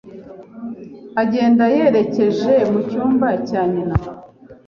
agenda yerekeje mu cyumba cya nyina